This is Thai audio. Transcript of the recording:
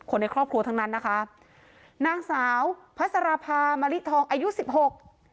ในครอบครัวทั้งนั้นนะคะนางสาวพัสรภามะลิทองอายุสิบหก